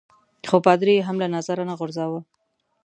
خو پادري يي هم له نظره نه غورځاوه.